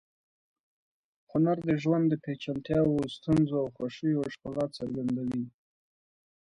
هنر د ژوند د پیچلتیاوو، ستونزو او خوښیو ښکلا څرګندوي.